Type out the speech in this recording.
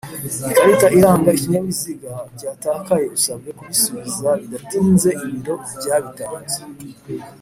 ikarita iranga ikinyabiziga byatakaye usabwe kubisubiza bidatinze ibiro byabitanze.